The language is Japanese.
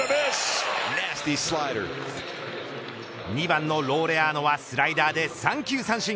２番のローレアードはスライダーで３球三振。